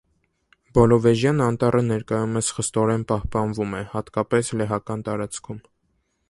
Բելովեժյան անտառը ներկայումս խստորեն պահպանվում է, հատկապես լեհական տարածքում։